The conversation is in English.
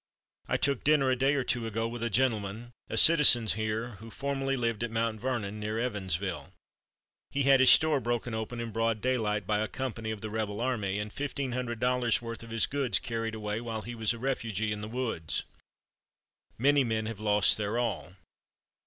I took dinner a day or two ago with a gentleman, a citizen here, who formerly lived at Mount Vernon [near Evansville]. He had his store broken open in broad daylight by a company of the rebel army, and fifteen hundred dollars' worth of his goods carried away, while he was a refugee in the woods. Many men have lost their all.